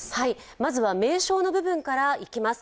まずは名称の部分からいきます。